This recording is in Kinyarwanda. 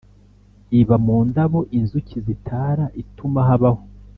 iba mu ndabo inzuki zitara ituma habaho